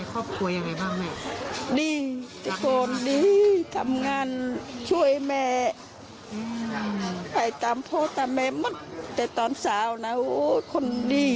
ครอบครัวอย่างไรบ้าง